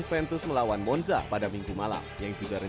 tapi juga pasangan yang baik dan yang lebih baik